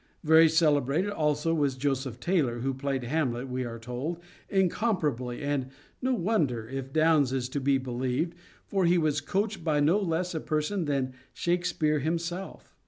Very celebrated also was Joseph Taylor, who played Hamlet, we are told, incomparably, and no wonder, if Downes is to be believed, for he was coached by no less a person than Shakespeare himself.